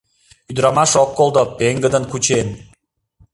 Ӱдырамаш ок колто, пеҥгыдын кучен.